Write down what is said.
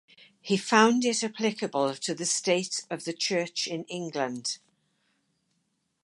He found it applicable to the state of the church in England.